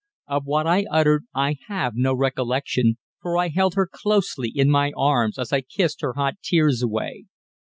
Of what I uttered I have no recollection, for I held her closely in my arms as I kissed her hot tears away.